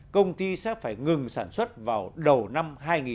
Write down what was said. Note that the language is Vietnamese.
công ty sẽ phải ngừng sản xuất vào đầu năm hai nghìn một mươi bảy